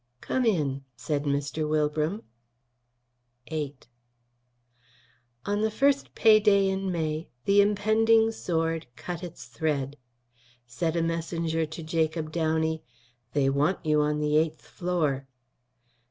"Come in," said Mr. Wilbram. VIII On the first pay day in May the impending sword cut its thread. Said a messenger to Jacob Downey: "They want you on the eighth floor."